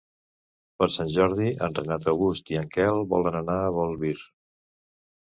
Per Sant Jordi en Renat August i en Quel volen anar a Bolvir.